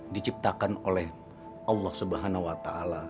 diciptakan oleh allah subhanahu wa ta'ala